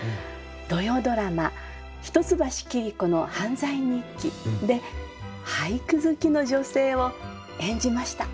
土曜ドラマ「一橋桐子の犯罪日記」で俳句好きの女性を演じました。